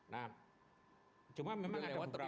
nah cuma memang ada beberapa hal